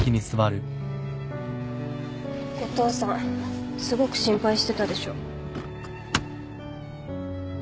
お父さんすごく心配してたでしょ。